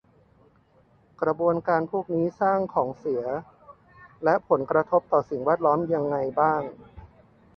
กระบวนการพวกนี้สร้างของเสียและผลกระทบต่อสิ่งแวดล้อมยังไงบ้าง